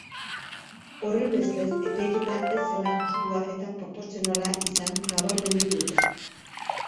Horrenbestez, epaiketa ez zela justua eta proportzionala izan nabarmendu dute.